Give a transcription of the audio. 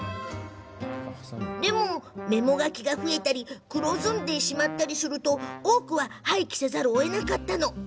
でも、メモ書きが増えたり黒ずんでしまったりすると多くは廃棄せざるをえません。